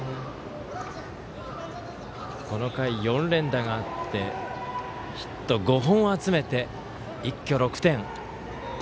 この回４連打があってヒット５本を集めて、一挙６点。